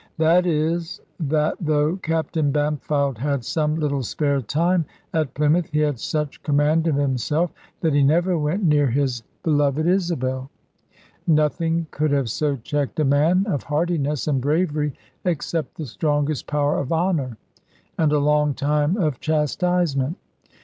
This is, that though Captain Bampfylde had some little spare time at Plymouth, he had such command of himself that he never went near his beloved Isabel. Nothing could have so checked a man of heartiness and bravery, except the strongest power of honour, and a long time of chastisement.